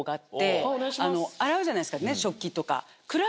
洗うじゃないですか食器とか。